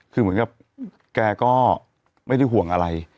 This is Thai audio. คือเหมือนกับแกก็ไม่ได้ห่วงอะไร